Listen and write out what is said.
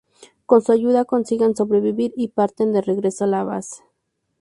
Con su ayuda, consiguen sobrevivir y parten de regreso a la base.